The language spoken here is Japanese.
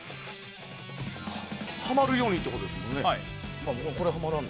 はまるようにってことですよね。